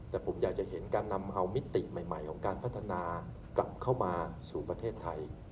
แต่ผมอยากจะเห็นการนำเอามิติใหม่ของการพัฒนากลับเข้ามาสู่ประเทศไทย